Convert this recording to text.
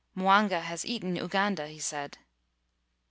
(Mwanga has eaten Uganda), he said.